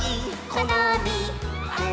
このみっ！」